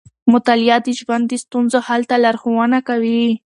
مطالعه د ژوند د ستونزو حل ته لارښونه کوي.